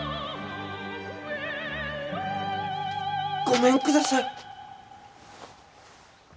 ごめんください。